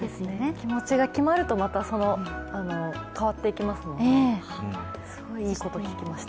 気持ちが決まると、また変わっていきますので、すごいいいこと聞きました。